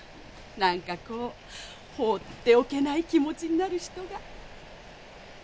なんかこう放っておけない気持ちになる人が。